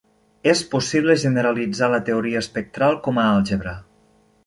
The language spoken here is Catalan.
És possible generalitzar la teoria espectral com a àlgebra.